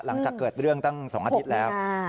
หลังจากเกิดเรื่องตั้ง๒อาทิตย์แล้ว